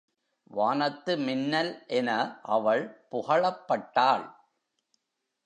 வானத்து மின்னல் என அவள் புகழப்பட்டாள்.